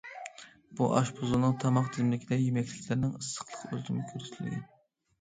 بۇ ئاشپۇزۇلنىڭ تاماق تىزىملىكىدە يېمەكلىكلەرنىڭ ئىسسىقلىق ئۆلچىمى كۆرسىتىلگەن.